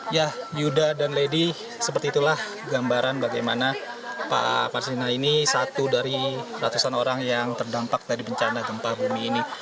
ya yuda dan lady seperti itulah gambaran bagaimana pak marsilina ini satu dari ratusan orang yang terdampak dari bencana gempa bumi ini